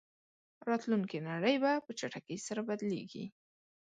راتلونکې نړۍ به په چټکۍ سره بدلېږي.